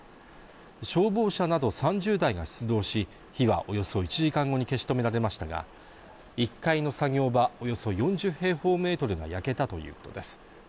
消防車など３０台が出動し火はおよそ１時間後に消し止められましたが１階の作業場およそ４０平方メートルが焼けたということです